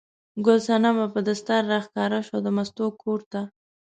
ګل صنمه په دستار راښکاره شوه د مستو کور ته.